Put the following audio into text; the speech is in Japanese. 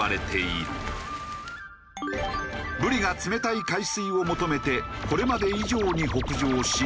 ブリが冷たい海水を求めてこれまで以上に北上し